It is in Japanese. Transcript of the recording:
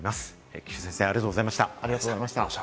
菊地先生、ありがとうございました。